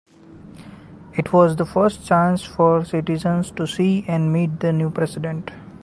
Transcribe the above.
It was the first chance for citizens to see and meet the new president.